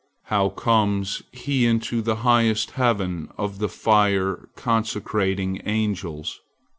How comes he into the highest heaven of the fire coruscating angels?"